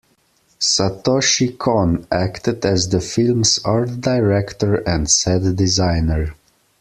Satoshi Kon acted as the film's art director and set designer.